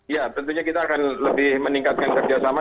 iya tentunya kita akan lebih meningkatkan kerja sama